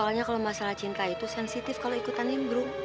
soalnya kalau masalah cinta itu sensitif kalau ikutan bro